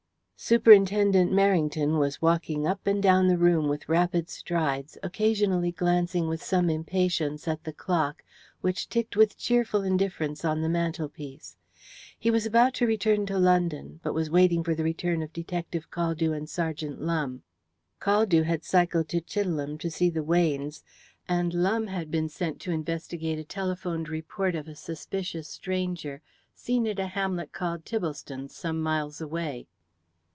Superintendent Merrington was walking up and down the room with rapid strides, occasionally glancing with some impatience at the clock which ticked with cheerful indifference on the mantelpiece. He was about to return to London, but was waiting for the return of Detective Caldew and Sergeant Lumbe. Caldew had cycled to Chidelham to see the Weynes, and Lumbe had been sent to investigate a telephoned report of a suspicious stranger seen at a hamlet called Tibblestone, some miles away.